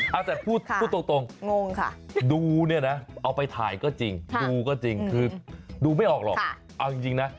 เอาแต่พูดตรงงงค่ะดูเนี่ยนะเอาไปถ่ายก็จริงดูก็จริงคือดูไม่ออกหรอกเอาจริงนะ